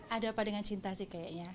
ada apa dengan cinta sih kayaknya